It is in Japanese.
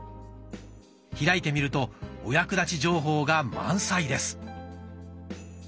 開いてみるとお役立ち情報が満載です。